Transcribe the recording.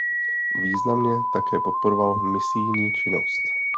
Významně také podporoval misijní činnost.